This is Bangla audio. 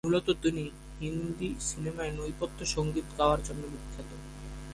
মূলত তিনি হিন্দি সিনেমার নেপথ্য সঙ্গীত গাওয়ার জন্য বিখ্যাত।